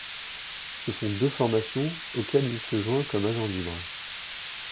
Ce sont deux formations auxquelles il se joint comme agent libre.